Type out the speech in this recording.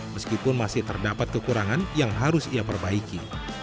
meskipun masih terdapat kekurangan yang harus ia perbaiki